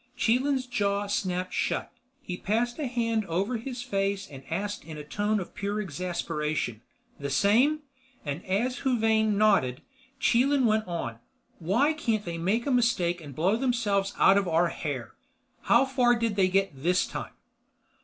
Chelan's jaw snapped shut. He passed a hand over his face and asked in a tone of pure exasperation. "The same?" and as Huvane nodded, Chelan went on, "Why can't they make a mistake and blow themselves out of our hair? How far did they get this time?"